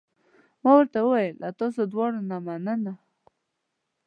ما ورته وویل: له تاسو دواړو نه مننه.